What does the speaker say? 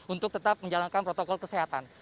untuk tetap menjalankan protokol kesehatan